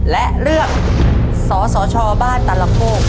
และเลือกสอสชาวบ้านตาละโก่ง